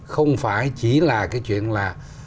không phải chỉ là cái chuyện là